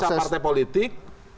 bisa partai politik